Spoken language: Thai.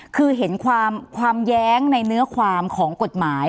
คือเห็นความแย้งในเนื้อความของกฎหมาย